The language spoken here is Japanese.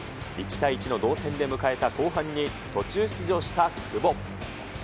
１対１の同点で迎えた後半に途中出場した久保。